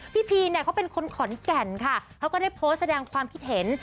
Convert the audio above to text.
พีเนี่ยเขาเป็นคนขอนแก่นค่ะเขาก็ได้โพสต์แสดงความคิดเห็น